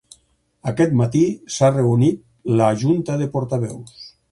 Aquest matí s'ha reunit la junta de portaveus